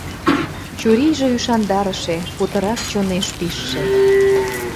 Чурийже ӱшандарыше, путырак чонеш пижше.